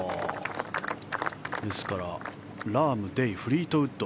ですからラーム、デイ、フリートウッド